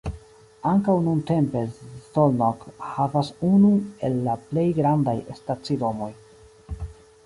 Ankaŭ nuntempe Szolnok havas unun el la plej grandaj stacidomoj.